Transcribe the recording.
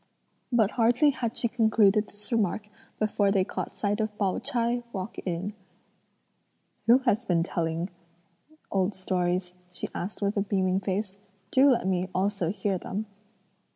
But hardly had she concluded this remark before they caught sight of Pao ch'ai walk in. "Who has been telling old stories?" she asked with a beaming face; "do let me also hear them."